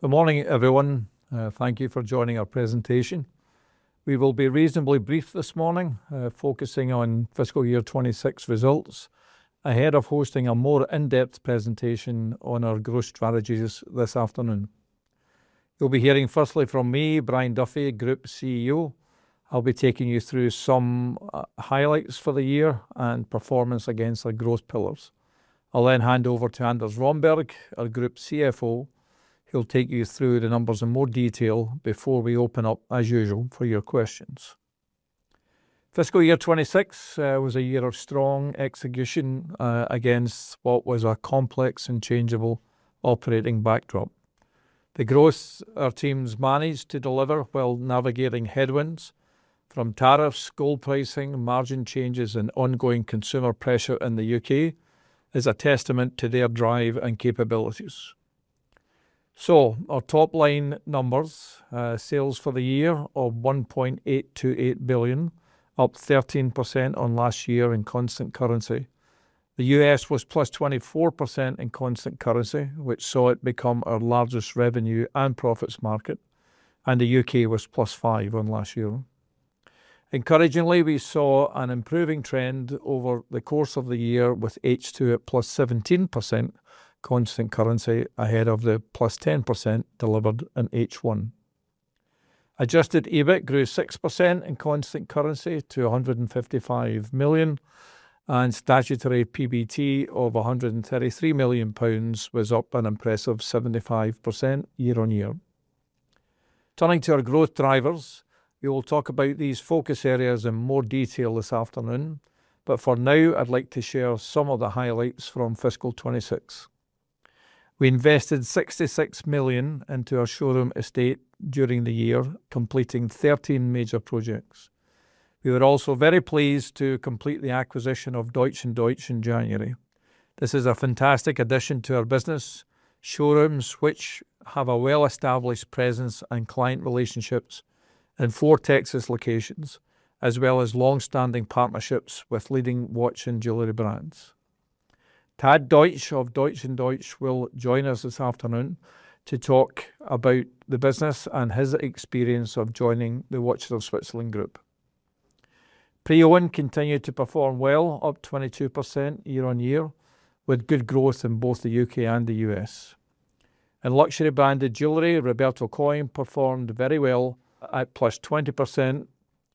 Good morning, everyone. Thank you for joining our presentation. We will be reasonably brief this morning, focusing on fiscal year 2026 results ahead of hosting a more in-depth presentation on our growth strategies this afternoon. You'll be hearing firstly from me, Brian Duffy, Group CEO. I'll be taking you through some highlights for the year and performance against our growth pillars. I'll then hand over to Anders Romberg, our Group CFO, who'll take you through the numbers in more detail before we open up as usual for your questions. Fiscal year 2026 was a year of strong execution against what was a complex and changeable operating backdrop. The growth our teams managed to deliver while navigating headwinds from tariffs, gold pricing, margin changes, and ongoing consumer pressure in the U.K. is a testament to their drive and capabilities. Our top-line numbers, sales for the year of 1.828 billion, up 13% on last year in constant currency. The U.S. was +24% in constant currency, which saw it become our largest revenue and profits market. The U.K. was +5% on last year. Encouragingly, we saw an improving trend over the course of the year with H2 at +17% constant currency ahead of the +10% delivered in H1. Adjusted EBIT grew 6% in constant currency to 155 million, and statutory PBT of 133 million pounds was up an impressive 75% year-on-year. Turning to our growth drivers, we will talk about these focus areas in more detail this afternoon, but for now, I'd like to share some of the highlights from fiscal 2026. We invested 66 million into our showroom estate during the year, completing 13 major projects. We were also very pleased to complete the acquisition of Deutsch & Deutsch in January. This is a fantastic addition to our business, showrooms which have a well-established presence and client relationships in four Texas locations, as well as longstanding partnerships with leading watch and jewelry brands. Tad Deutsch of Deutsch & Deutsch will join us this afternoon to talk about the business and his experience of joining the Watches of Switzerland Group. Pre-owned continued to perform well, up 22% year-on-year with good growth in both the U.K. and the U.S. In luxury branded jewelry, Roberto Coin performed very well at +20%.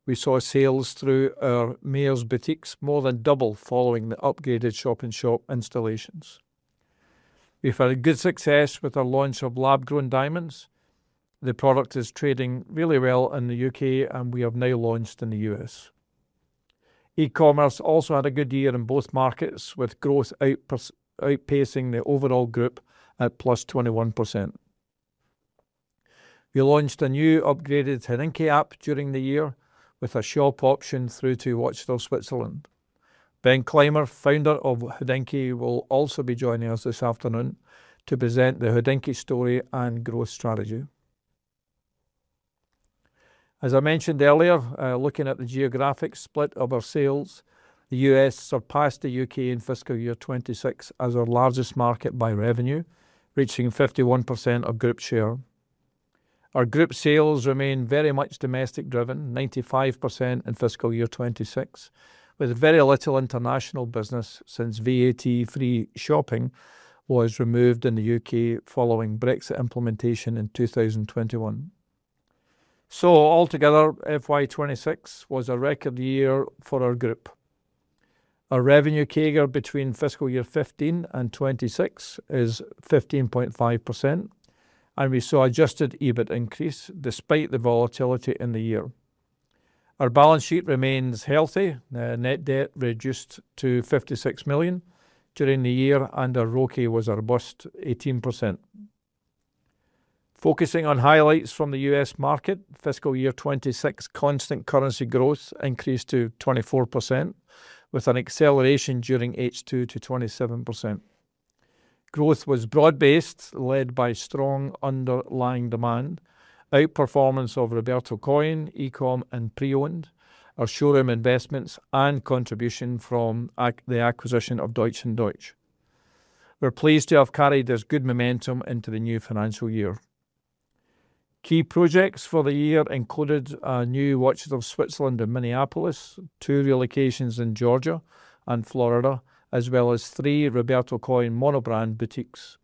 We saw sales through our Mayors boutiques more than double following the upgraded shop-in-shop installations. We've had good success with our launch of lab-grown diamonds. The product is trading really well in the U.K., and we have now launched in the U.S. Ecommerce also had a good year in both markets, with growth outpacing the overall group at +21%. We launched a new upgraded Hodinkee app during the year with a shop option through to Watches of Switzerland. Ben Clymer, Founder of Hodinkee, will also be joining us this afternoon to present the Hodinkee story and growth strategy. As I mentioned earlier, looking at the geographic split of our sales, the U.S. surpassed the U.K. in fiscal year 2026 as our largest market by revenue, reaching 51% of group share. Our group sales remain very much domestic-driven, 95% in fiscal year 2026, with very little international business since VAT-free shopping was removed in the U.K. following Brexit implementation in 2021. Altogether, FY 2026 was a record year for our group. Our revenue CAGR between FY 2015 and 2026 is 15.5%, and we saw adjusted EBIT increase despite the volatility in the year. Our balance sheet remains healthy. Net debt reduced to 56 million during the year, and our ROCE was a robust 18%. Focusing on highlights from the U.S. market, FY 2026 constant currency growth increased to 24%, with an acceleration during H2 to 27%. Growth was broad-based, led by strong underlying demand, outperformance of Roberto Coin, e-com, and pre-owned, our showroom investments, and contribution from the acquisition of Deutsch & Deutsch. We're pleased to have carried this good momentum into the new financial year. Key projects for the year included our new Watches of Switzerland in Minneapolis, two relocations in Georgia and Florida, as well as three Roberto Coin mono-brand boutiques.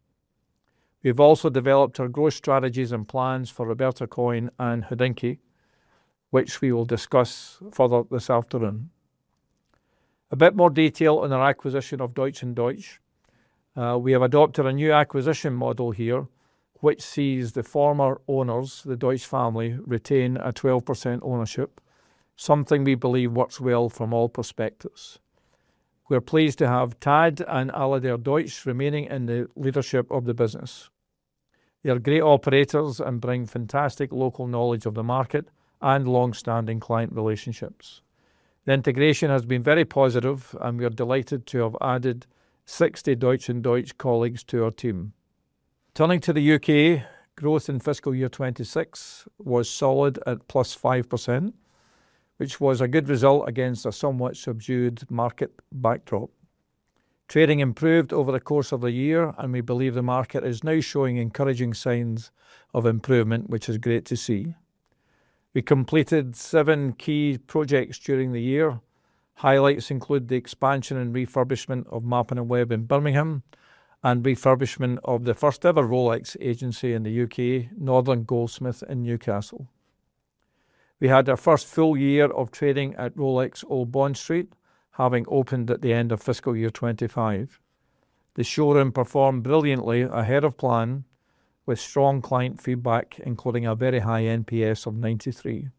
We've also developed our growth strategies and plans for Roberto Coin and Hodinkee, which we will discuss further this afternoon. A bit more detail on our acquisition of Deutsch & Deutsch. We have adopted a new acquisition model here, which sees the former owners, the Deutsch family, retain a 12% ownership, something we believe works well from all perspectives. We are pleased to have Tad and Aladar Deutsch remaining in the leadership of the business. They are great operators and bring fantastic local knowledge of the market and longstanding client relationships. The integration has been very positive, and we are delighted to have added 60 Deutsch & Deutsch colleagues to our team. Turning to the U.K., growth in FY 2026 was solid at +5%, which was a good result against a somewhat subdued market backdrop. Trading improved over the course of the year, and we believe the market is now showing encouraging signs of improvement, which is great to see. We completed seven key projects during the year. Highlights include the expansion and refurbishment of Mappin & Webb in Birmingham and refurbishment of the first-ever Rolex agency in the U.K., Northern Goldsmiths in Newcastle. We had our first full year of trading at Rolex, Old Bond Street, having opened at the end of FY 2025. The showroom performed brilliantly ahead of plan with strong client feedback, including a very high NPS of 93%.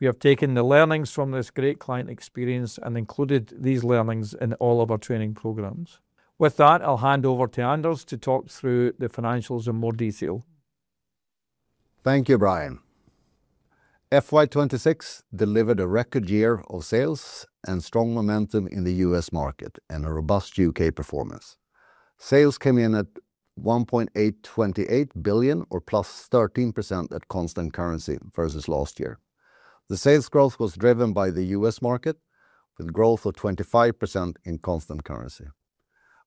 We have taken the learnings from this great client experience and included these learnings in all of our training programs. With that, I'll hand over to Anders to talk through the financials in more detail. Thank you, Brian. FY 2026 delivered a record year of sales and strong momentum in the U.S. market and a robust U.K. performance. Sales came in at 1.828 billion or +13% at constant currency versus last year. The sales growth was driven by the U.S. market, with growth of 25% in constant currency.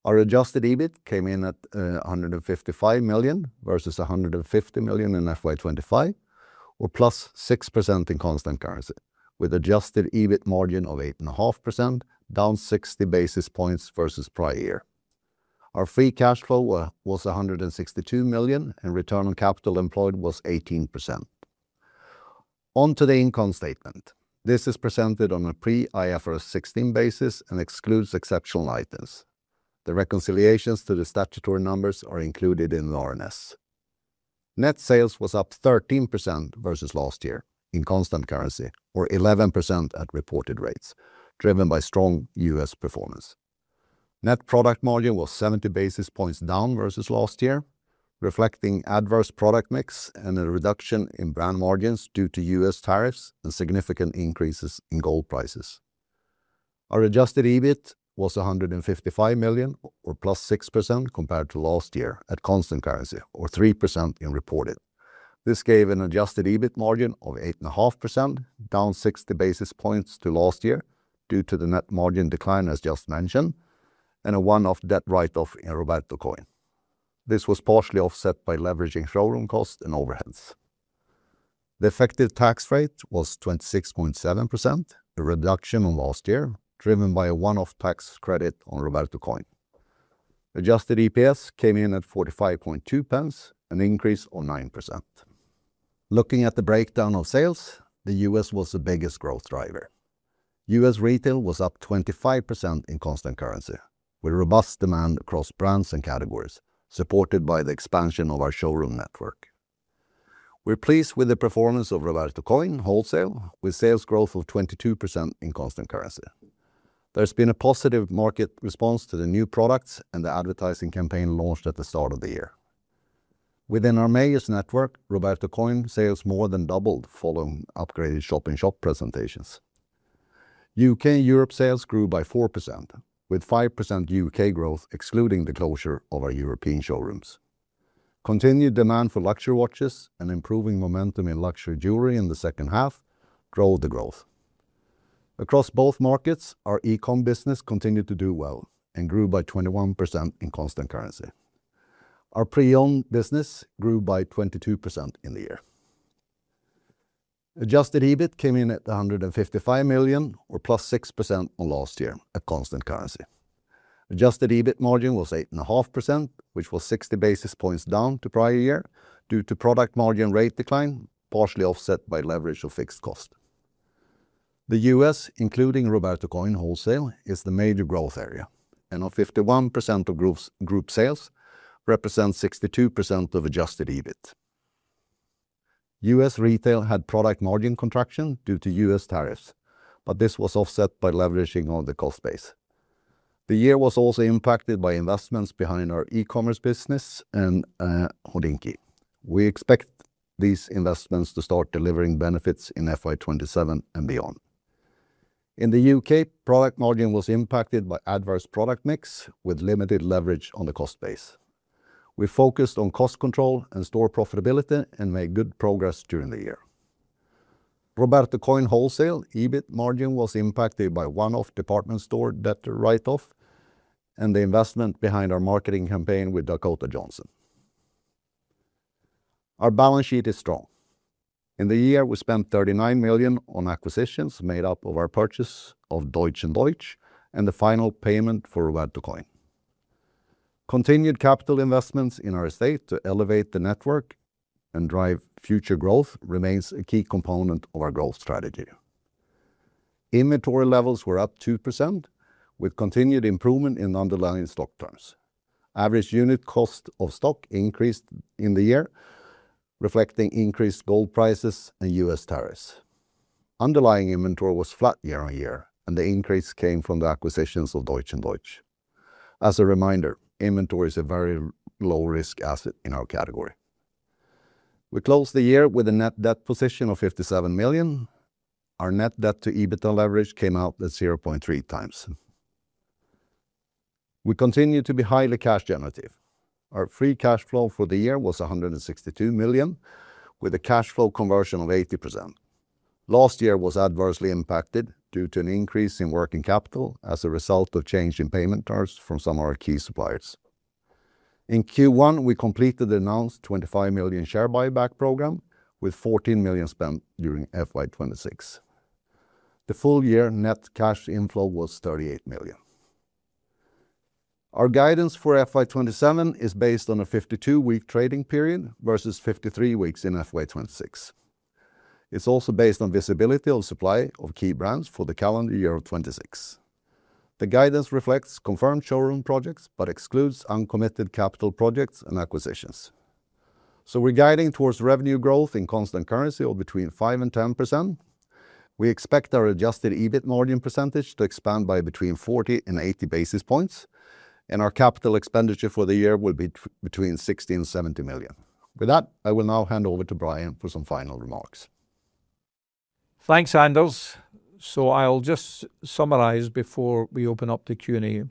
Our adjusted EBIT came in at 155 million versus 150 million in FY 2025, or +6% in constant currency, with adjusted EBIT margin of 8.5%, down 60 basis points versus prior year. Our free cash flow was 162 million, and return on capital employed was 18%. On to the income statement. This is presented on a pre-IFRS 16 basis and excludes exceptional items. The reconciliations to the statutory numbers are included in the RNS. Net sales was up 13% versus last year in constant currency, or 11% at reported rates, driven by strong U.S. performance. Net product margin was 70 basis points down versus last year, reflecting adverse product mix and a reduction in brand margins due to U.S. tariffs and significant increases in gold prices. Our adjusted EBIT was 155 million, or +6% compared to last year at constant currency, or 3% in reported. This gave an adjusted EBIT margin of 8.5%, down 60 basis points to last year due to the net margin decline, as just mentioned, and a one-off debt write-off in Roberto Coin. This was partially offset by leveraging showroom costs and overheads. The effective tax rate was 26.7%, a reduction on last year, driven by a one-off tax credit on Roberto Coin. Adjusted EPS came in at 0.452, an increase of 9%. Looking at the breakdown of sales, the U.S. was the biggest growth driver. U.S. retail was up 25% in constant currency, with robust demand across brands and categories, supported by the expansion of our showroom network. We're pleased with the performance of Roberto Coin wholesale, with sales growth of 22% in constant currency. There's been a positive market response to the new products and the advertising campaign launched at the start of the year. Within our Mayors network, Roberto Coin sales more than doubled following upgraded shop-in-shop presentations. U.K. and Europe sales grew by 4%, with 5% U.K. growth, excluding the closure of our European showrooms. Continued demand for luxury watches and improving momentum in luxury jewelry in the second half drove the growth. Across both markets, our ecommerce business continued to do well and grew by 21% in constant currency. Our pre-owned business grew by 22% in the year. Adjusted EBIT came in at 155 million, or +6% on last year at constant currency. Adjusted EBIT margin was 8.5%, which was 60 basis points down to prior year due to product margin rate decline, partially offset by leverage of fixed cost. The U.S., including Roberto Coin wholesale, is the major growth area, and on 51% of group sales represents 62% of adjusted EBIT. U.S. retail had product margin contraction due to U.S. tariffs, but this was offset by leveraging on the cost base. The year was also impacted by investments behind our ecommerce business and Hodinkee. We expect these investments to start delivering benefits in FY 2027 and beyond. In the U.K., product margin was impacted by adverse product mix with limited leverage on the cost base. We focused on cost control and store profitability and made good progress during the year. Roberto Coin wholesale EBIT margin was impacted by one-off department store debt write-off and the investment behind our marketing campaign with Dakota Johnson. Our balance sheet is strong. In the year, we spent 39 million on acquisitions made up of our purchase of Deutsch & Deutsch and the final payment for Roberto Coin. Continued capital investments in our estate to elevate the network and drive future growth remains a key component of our growth strategy. Inventory levels were up 2%, with continued improvement in underlying stock terms. Average unit cost of stock increased in the year, reflecting increased gold prices and U.S. tariffs. Underlying inventory was flat year-over-year, and the increase came from the acquisitions of Deutsch & Deutsch. As a reminder, inventory is a very low-risk asset in our category. We closed the year with a net debt position of 57 million. Our net debt to EBITDA leverage came out at 0.3x. We continue to be highly cash generative. Our free cash flow for the year was 162 million, with a cash flow conversion of 80%. Last year was adversely impacted due to an increase in working capital as a result of change in payment terms from some of our key suppliers. In Q1, we completed the announced 25 million share buyback program, with 14 million spent during FY 2026. The full year net cash inflow was 38 million. Our guidance for FY 2027 is based on a 52-week trading period versus 53 weeks in FY 2026. It is also based on visibility of supply of key brands for the calendar year of 2026. The guidance reflects confirmed showroom projects, but excludes uncommitted capital projects and acquisitions. We are guiding towards revenue growth in constant currency of between 5% and 10%. We expect our adjusted EBIT margin percentage to expand by between 40 basis points and 80 basis points, and our capital expenditure for the year will be between 60 million and 70 million. With that, I will now hand over to Brian for some final remarks. Thanks, Anders. I will just summarize before we open up to Q&A.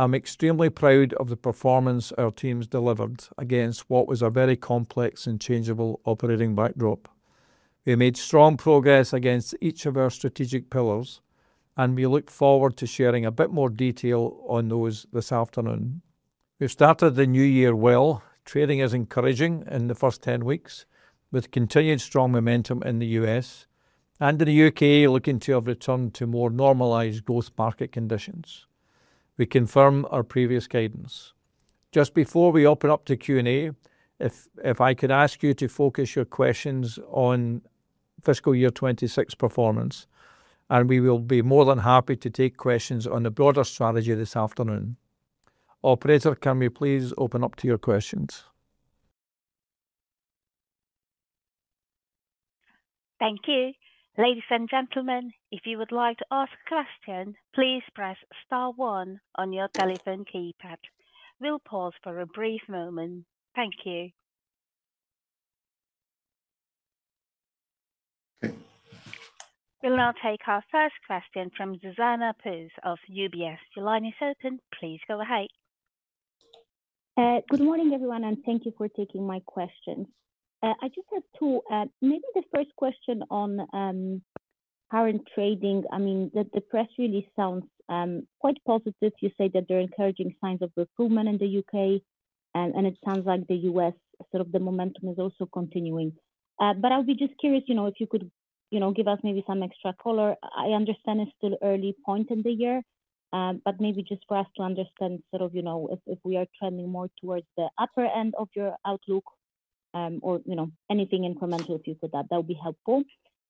I am extremely proud of the performance our teams delivered against what was a very complex and changeable operating backdrop. We made strong progress against each of our strategic pillars, and we look forward to sharing a bit more detail on those this afternoon. We have started the new year well. Trading is encouraging in the first 10 weeks, with continued strong momentum in the U.S. and in the U.K. looking to have returned to more normalized growth market conditions. We confirm our previous guidance. Just before we open up to Q&A, if I could ask you to focus your questions on fiscal year 2026 performance, and we will be more than happy to take questions on the broader strategy this afternoon. Operator, can we please open up to your questions? Thank you. Ladies and gentlemen, if you would like to ask a question, please press star one on your telephone keypad. We will pause for a brief moment. Thank you. We will now take our first question from Zuzanna Pusz of UBS. Your line is open. Please go ahead. Good morning, everyone, and thank you for taking my questions. I just had two. The first question on current trading. The press release sounds quite positive. You say that there are encouraging signs of recruitment in the U.K., and it sounds like the U.S., the momentum is also continuing. I was just curious if you could give us some extra color. I understand it's still early point in the year, just for us to understand if we are trending more towards the upper end of your outlook, or anything incremental, if you could, that would be helpful.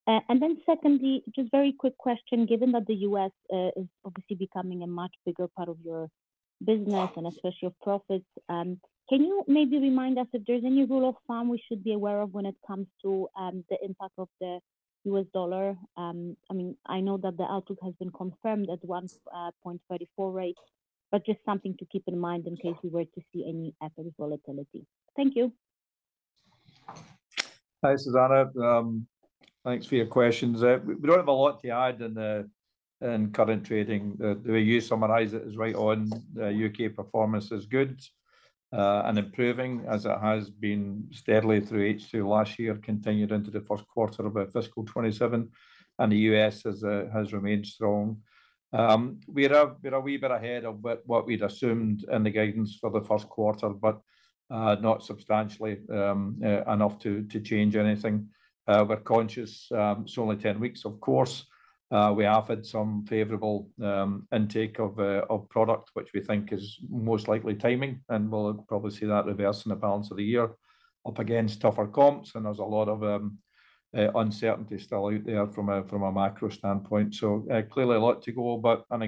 Secondly, just very quick question, given that the U.S. is obviously becoming a much bigger part of your business and especially your profits, can you remind us if there's any rule of thumb we should be aware of when it comes to the impact of the U.S. dollar? I know that the outlook has been confirmed at 1.34 rate, just something to keep in mind in case we were to see any upward volatility. Thank you. Hi, Zuzanna. Thanks for your questions. We don't have a lot to add in current trading. The way you summarize it is right on. The U.K. performance is good and improving as it has been steadily through H2 last year, continued into the first quarter of our fiscal 2027, and the U.S. has remained strong. We're a wee bit ahead of what we'd assumed in the guidance for the first quarter, not substantially enough to change anything. We're conscious it's only 10 weeks. We have had some favorable intake of product which we think is most likely timing, and we'll probably see that reverse in the balance of the year up against tougher comps and there's a lot of uncertainty still out there from a macro standpoint. Clearly a lot to go, an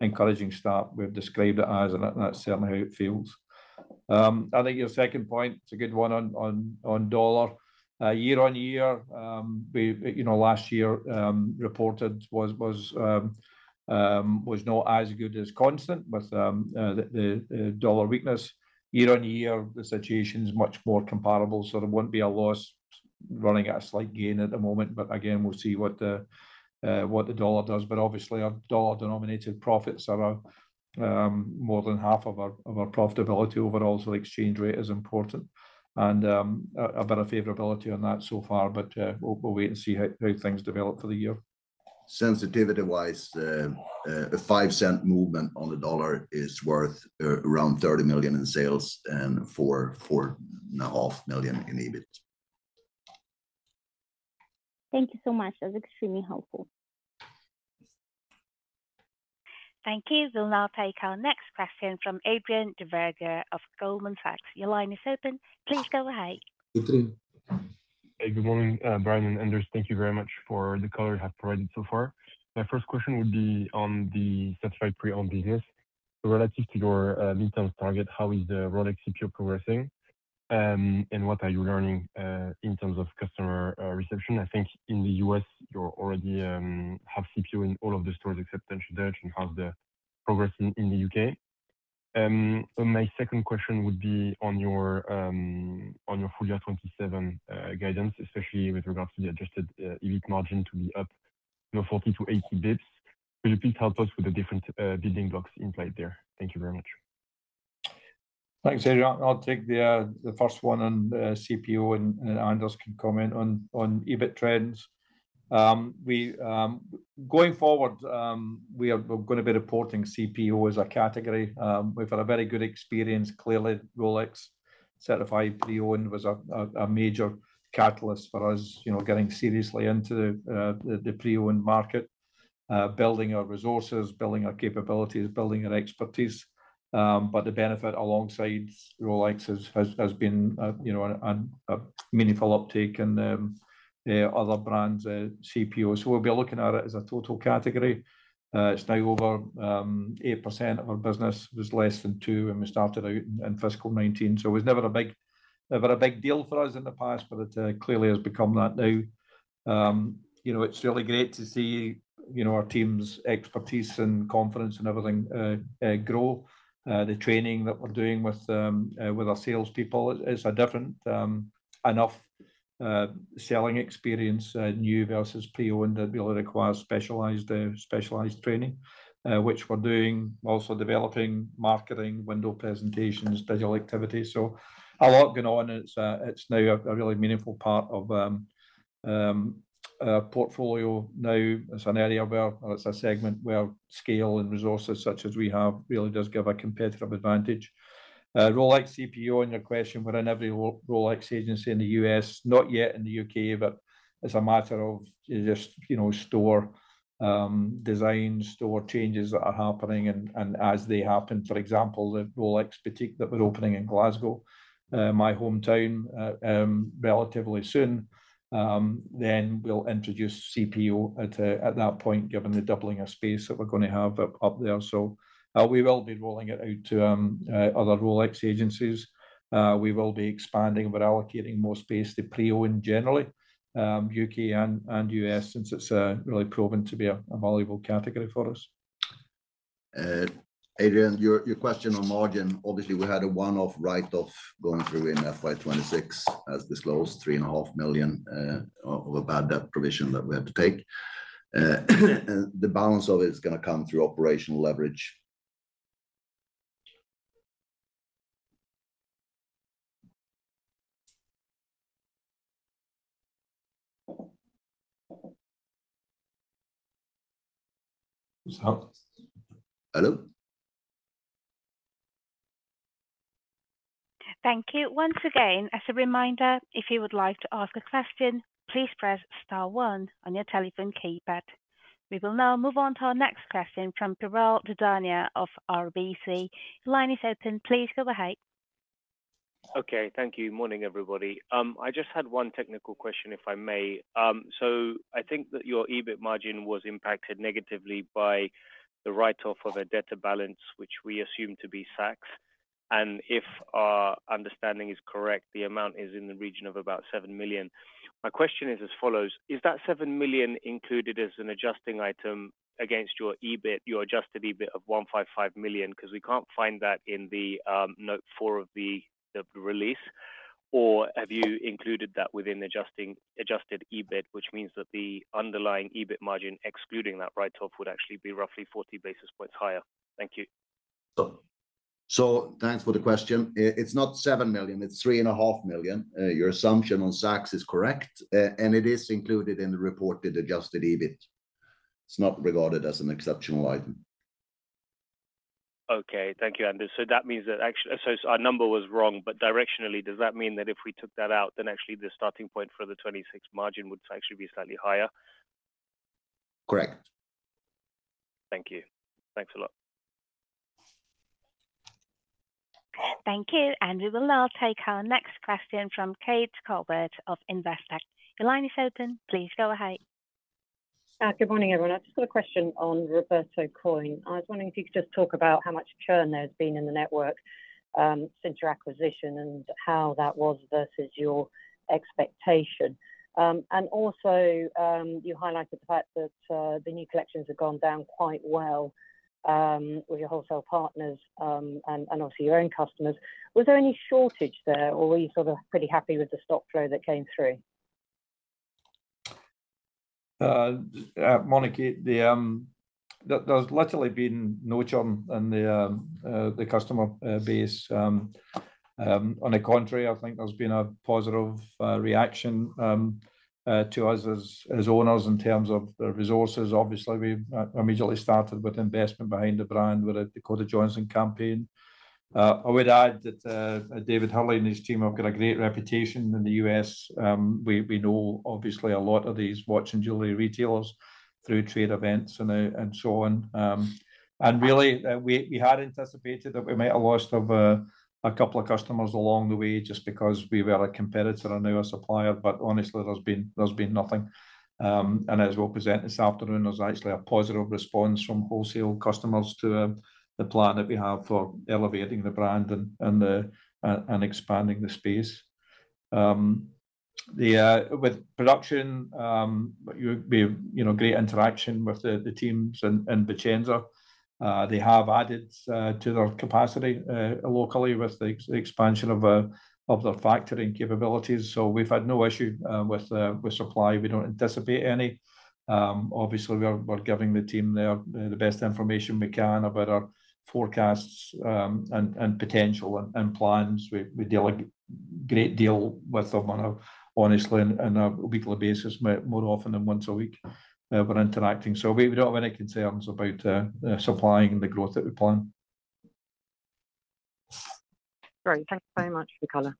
encouraging start we've described it as, and that's certainly how it feels. Your second point, it's a good one on dollar. Year-on-year, last year reported was not as good as constant with the dollar weakness. Year-on-year, the situation's much more comparable, there wouldn't be a loss running at a slight gain at the moment. We'll see what the dollar does. Our dollar-denominated profits are more than half of our profitability overall, the exchange rate is important and a bit of favorability on that so far, we'll wait and see how things develop for the year. Sensitivity-wise, a $0.05 movement on the dollar is worth around $30 million in sales and $4.5 In EBIT. Thank you so much. That was extremely helpful. Thank you. We'll now take our next question from Adrien Duverger of Goldman Sachs. Your line is open. Please go ahead. Good morning. Good morning. Hey, good morning, Brian and Anders. Thank you very much for the color you have provided so far. My first question would be on the certified pre-owned business. Relative to your mid-term target, how is the Rolex CPO progressing, and what are you learning in terms of customer reception? I think in the U.S. you already have CPO in all of the stores except Deutsch and how is the progress in the U.K.? My second question would be on your full year 2027 guidance, especially with regards to the adjusted EBIT margin to be up 40 basis points-80 basis points. Will you please help us with the different building blocks implied there? Thank you very much. Thanks, Adrien. I'll take the first one on CPO, and Anders can comment on EBIT trends. Going forward, we are going to be reporting CPO as a category. We've had a very good experience. Clearly, Rolex certified pre-owned was a major catalyst for us getting seriously into the pre-owned market, building our resources, building our capabilities, building our expertise. The benefit alongside Rolex has been a meaningful uptake in other brands CPO. We'll be looking at it as a total category. It's now over 8% of our business. It was less than two when we started out in fiscal 2019, so it was never a big deal for us in the past, but it clearly has become that now. It's really great to see our team's expertise and confidence and everything grow. The training that we're doing with our salespeople is a different enough selling experience, new versus PO, it really requires specialized training, which we're doing, also developing marketing, window presentations, digital activity. A lot going on. It's now a really meaningful part of our portfolio now. It's an area where, or it's a segment where scale and resources such as we have really does give a competitive advantage. Rolex CPO, on your question, we're in every Rolex agency in the U.S., not yet in the U.K., but it's a matter of just store design, store changes that are happening and as they happen. For example, the Rolex boutique that we're opening in Glasgow, my hometown, relatively soon. We'll introduce CPO at that point, given the doubling of space that we're going to have up there. We will be rolling it out to other Rolex agencies. We will be expanding, allocating more space to pre-owned generally, U.K. and U.S., since it's really proven to be a valuable category for us. Adrien, your question on margin. Obviously, we had a one-off write-off going through in FY 2026, as disclosed, 3.5 million of a bad debt provision that we had to take. The balance of it is going to come through operational leverage. [inaudible] Hello? Thank you. Once again, as a reminder, if you would like to ask a question, please press star one on your telephone keypad. We will now move on to our next question from Piral Dadhania of RBC. Your line is open. Please go ahead. Okay. Thank you. Morning, everybody. I just had one technical question, if I may. I think that your EBIT margin was impacted negatively by the write-off of a debtor balance, which we assume to be Saks. If our understanding is correct, the amount is in the region of about 7 million. My question is as follows: is that 7 million included as an adjusting item against your adjusted EBIT of 155 million? We can't find that in the note four of the release. Have you included that within adjusted EBIT, which means that the underlying EBIT margin, excluding that write-off, would actually be roughly 40 basis points higher? Thank you. Thanks for the question. It's not 7 million, it's 3.5 million. Your assumption on Saks is correct. It is included in the reported adjusted EBIT. It's not regarded as an exceptional item. Okay. Thank you, Anders. Our number was wrong. Directionally, does that mean that if we took that out, actually the starting point for the 2026 margin would actually be slightly higher? Correct. Thank you. Thanks a lot. Thank you. We will now take our next question from Kate Calvert of Investec. Your line is open. Please go ahead. Good morning, everyone. I've just got a question on Roberto Coin. I was wondering if you could just talk about how much churn there's been in the network since your acquisition and how that was versus your expectation. Also, you highlighted the fact that the new collections have gone down quite well with your wholesale partners, and obviously your own customers. Was there any shortage there, or were you sort of pretty happy with the stock flow that came through? Morning, Kate. There's literally been no churn in the customer base. On the contrary, I think there's been a positive reaction to us as owners in terms of resources. Obviously, we immediately started with investment behind the brand with a Dakota Johnson campaign. I would add that David Hurley and his team have got a great reputation in the U.S. We know, obviously, a lot of these watch and jewelry retailers through trade events and so on. Really, we had anticipated that we might have lost a couple of customers along the way just because we were a competitor and now a supplier, but honestly, there's been nothing. As we'll present this afternoon, there was actually a positive response from wholesale customers to the plan that we have for elevating the brand and expanding the space. With production, great interaction with the teams in Vicenza. They have added to their capacity locally with the expansion of their factory capabilities. We've had no issue with supply. We don't anticipate any. Obviously, we're giving the team there the best information we can about our forecasts, and potential, and plans. We deal a great deal with them on a, honestly, on a weekly basis, more often than once a week we're interacting. We don't have any concerns about supplying the growth that we plan. Great. Thank you very much for the color.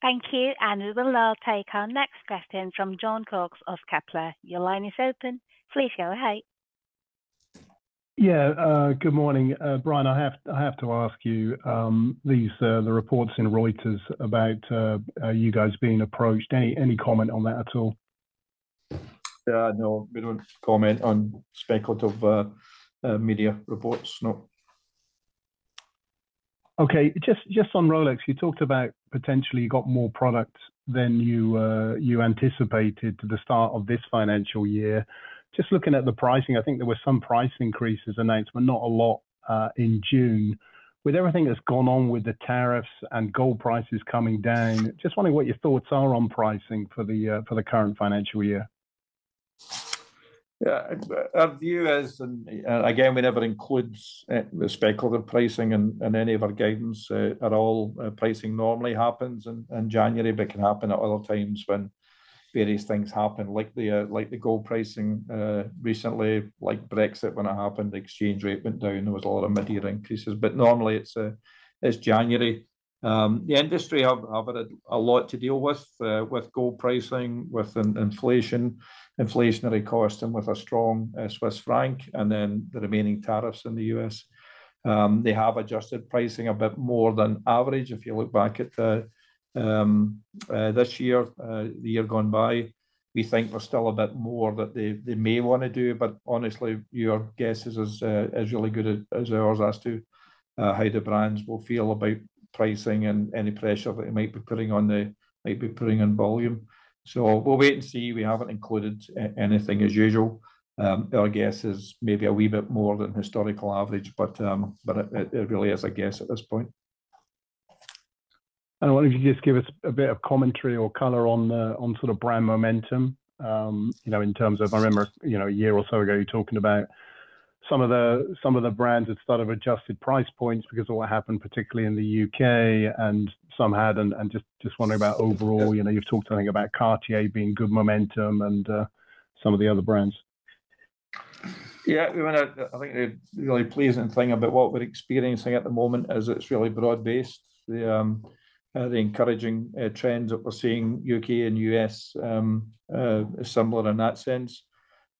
Thank you. We will now take our next question from Jon Cox of Kepler. Your line is open. Please go ahead. Yeah. Good morning. Brian, I have to ask you, the reports in Reuters about you guys being approached. Any comment on that at all? Yeah, no, we don't comment on speculative media reports, no. Okay. Just on Rolex, you talked about potentially you got more product than you anticipated at the start of this financial year. Just looking at the pricing, I think there were some price increases announced, but not a lot, in June. With everything that's gone on with the tariffs and gold prices coming down, just wondering what your thoughts are on pricing for the current financial year. Yeah. Our view is, again, we never include speculative pricing in any of our guidance at all. Pricing normally happens in January, but it can happen at other times when various things happen, like the gold pricing recently, like Brexit when it happened, the exchange rate went down. There was a lot of mid-year increases, but normally it's January. The industry have had a lot to deal with gold pricing, with inflation, inflationary cost, and with a strong Swiss franc, and then the remaining tariffs in the U.S. They have adjusted pricing a bit more than average if you look back at this year, the year gone by. We think there's still a bit more that they may want to do, honestly, your guess is as really good as ours as to how the brands will feel about pricing and any pressure that it might be putting on volume. We'll wait and see. We haven't included anything as usual. Our guess is maybe a wee bit more than historical average, but it really is a guess at this point. I wonder if you could just give us a bit of commentary or color on brand momentum, in terms of, I remember a year or so ago you talking about some of the brands had sort of adjusted price points because of what happened, particularly in the U.K., and some hadn't. Just wondering about overall, you've talked, I think, about Cartier being good momentum and some of the other brands. Yeah, I think the really pleasing thing about what we're experiencing at the moment is it's really broad based, the encouraging trends that we're seeing, U.K. and U.S. are similar in that sense.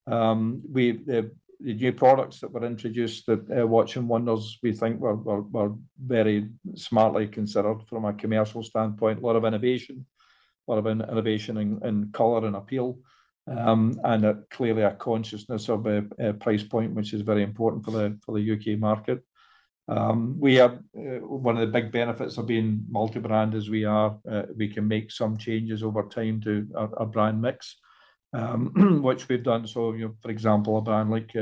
The new products that were introduced at Watches and Wonders we think were very smartly considered from a commercial standpoint. A lot of innovation, a lot of innovation in color and appeal. Clearly a consciousness of price point, which is very important for the U.K. market. One of the big benefits of being multi-brand as we are, we can make some changes over time to our brand mix, which we've done. For example, a brand like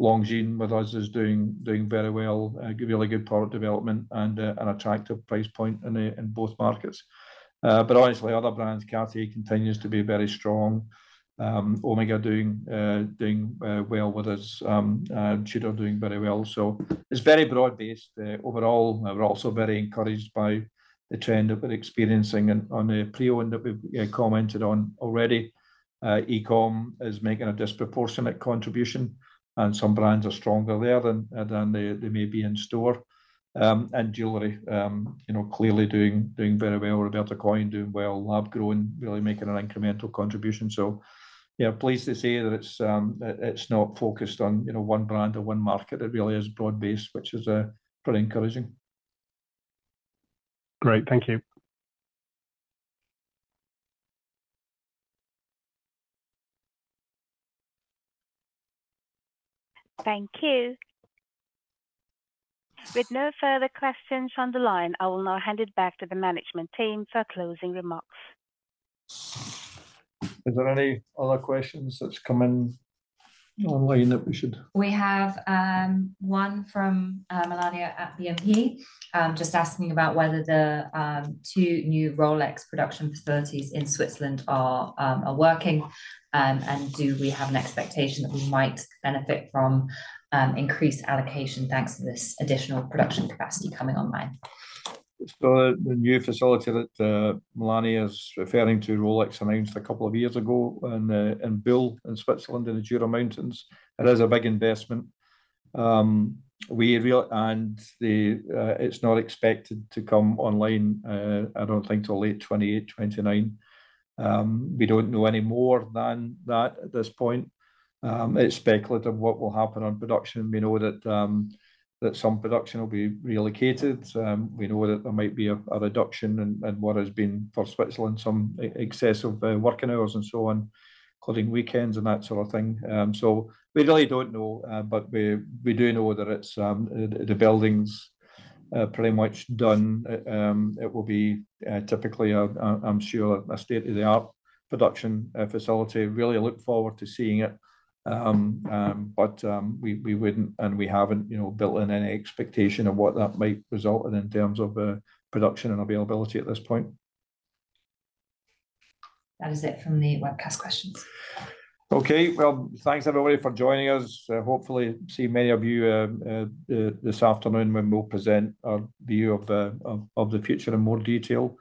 Longines with us is doing very well. Really good product development and an attractive price point in both markets. Honestly, other brands, Cartier continues to be very strong. Omega doing well with us. Chopard doing very well. It's very broad based overall. We're also very encouraged by the trend that we're experiencing on the pre-owned that we've commented on already. E-com is making a disproportionate contribution, and some brands are stronger there than they may be in store. Jewelry, clearly doing very well. Roberto Coin doing well. Lab-grown really making an incremental contribution. Yeah, pleased to say that it's not focused on one brand or one market. It really is broad based, which is pretty encouraging. Great. Thank you. Thank you. With no further questions on the line, I will now hand it back to the management team for closing remarks. Is there any other questions that's come in online that we should? We have one from Melania at BNP. Just asking about whether the two new Rolex production facilities in Switzerland are working, do we have an expectation that we might benefit from increased allocation thanks to this additional production capacity coming online? The new facility that Melania's referring to, Rolex announced a couple of years ago in Biel, in Switzerland, in the Jura Mountains. It is a big investment. It's not expected to come online, I don't think, till late 2028, 2029. We don't know any more than that at this point. It's speculative what will happen on production. We know that some production will be relocated. We know that there might be a reduction in what has been, for Switzerland, some excessive working hours and so on, including weekends and that sort of thing. We really don't know, but we do know that the building's pretty much done. It will be typically, I'm sure, a state-of-the-art production facility. I really look forward to seeing it, but we wouldn't, and we haven't built in any expectation of what that might result in in terms of production and availability at this point. That is it from the webcast questions. Okay. Well, Thanks everybody for joining us. Hopefully see many of you this afternoon when we'll present our view of the future in more detail.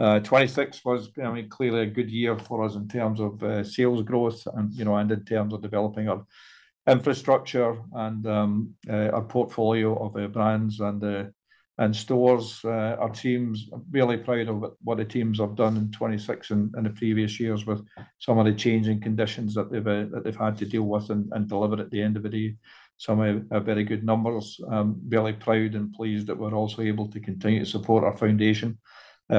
2026 was clearly a good year for us in terms of sales growth and in terms of developing our infrastructure and our portfolio of our brands and stores. Really proud of what the teams have done in 2026 and the previous years with some of the changing conditions that they've had to deal with and deliver at the end of the day, some very good numbers. Really proud and pleased that we're also able to continue to support our foundation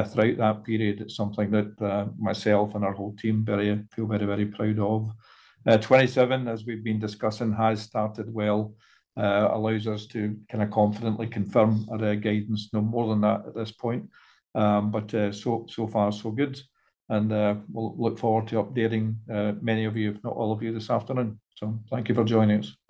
throughout that period. It's something that myself and our whole team feel very, very proud of. 2027, as we've been discussing, has started well, allows us to kind of confidently confirm our guidance. No more than that at this point. So far so good. We'll look forward to updating many of you, if not all of you, this afternoon. Thank you for joining us.